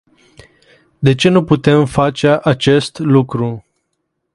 De ce nu putem face acest lucru?